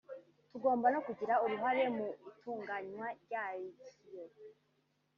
tugomba no kugira uruhare mu itunganywa ryayo”